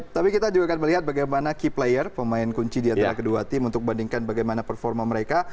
tapi kita juga akan melihat bagaimana key player pemain kunci di antara kedua tim untuk bandingkan bagaimana performa mereka